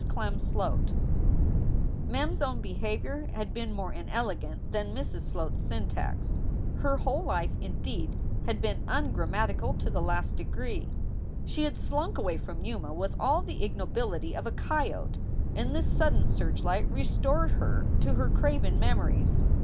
CLEM SLOAT Mem s own behavior had been more inelegant than Mrs. Sloat s syntax. Her whole life, indeed, had been ungram matical to the last degree. She had slunk away from Yuma with all the ignobility of a coyote, and this sudden searchlight restored her to her craven memories.